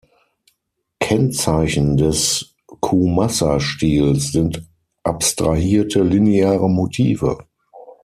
Kennzeichen des "Koumassa-Stils" sind abstrahierte lineare Motive.